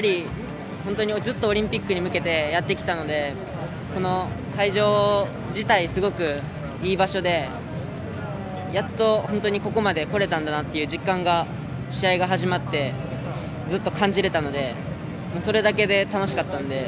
ずっとオリンピックに向けてやってきたので、この会場自体すごくいい場所でやっと本当にここまでこれたんだなという実感が試合が始まってずっと感じれたのでそれだけで楽しかったので。